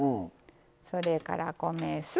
それから、米酢。